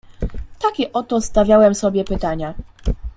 "Takie oto stawiałem sobie pytania."